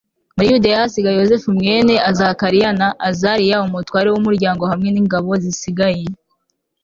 muri yudeya ahasiga yozefu mwene zakariya na azariya, umutware w'umuryango hamwe n'ingabo zisigaye